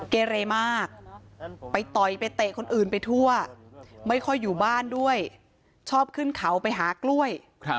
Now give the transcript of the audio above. เกเรมากไปต่อยไปเตะคนอื่นไปทั่วไม่ค่อยอยู่บ้านด้วยชอบขึ้นเขาไปหากล้วย